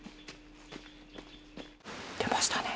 出ましたね。